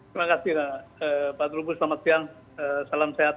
terima kasih pak trubus selamat siang salam sehat